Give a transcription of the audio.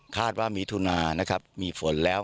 ว่ามิถุนานะครับมีฝนแล้ว